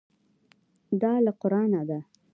دا له قرانه ده.